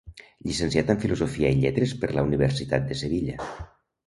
Llicenciat en filosofia i lletres per la Universitat de Sevilla.